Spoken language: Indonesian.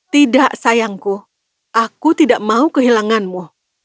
tidak sayangku aku tidak mau kehilanganmu